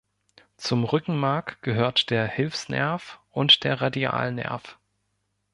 Zum Rückenmark gehört der Hilfsnerv und der Radialnerv.